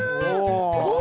お！